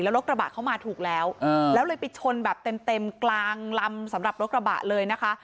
รถกระบะเข้ามาถูกแล้วแล้วเลยไปชนแบบเต็มกลางลำสำหรับรถกระบะเลยนะคะ